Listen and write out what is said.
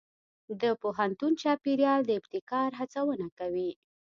د پوهنتون چاپېریال د ابتکار هڅونه کوي.